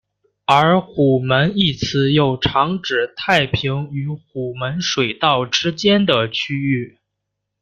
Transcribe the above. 而虎门一词又常指太平与虎门水道之间的区域。